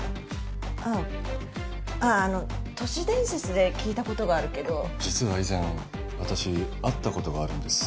あああああの都市伝説で聞いたことがあるけど実は以前私会ったことがあるんです